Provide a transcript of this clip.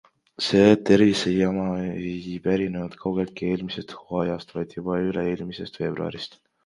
See tervisejama ei pärinenud kaugeltki eelmisest hooajast, vaid juba üle-eelmisest veebruarist.